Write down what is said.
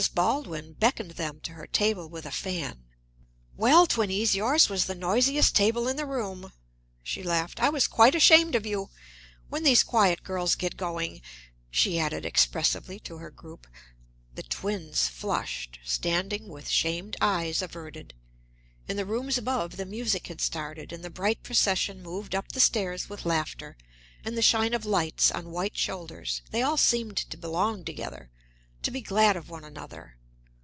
Baldwin beckoned them to her table with her fan. "Well, twinnies, yours was the noisiest table in the room," she laughed. "I was quite ashamed of you! When these quiet girls get going !" she added expressively to her group. The twins flushed, standing with shamed eyes averted. In the rooms above the music had started, and the bright procession moved up the stairs with laughter and the shine of lights on white shoulders; they all seemed to belong together, to be glad of one another.